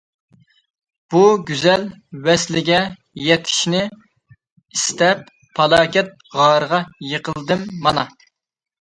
بۇ گۈزەل ۋەسلىگە يېتىشنى ئىستەپ، پالاكەت غارىغا يىقىلدىم مانا.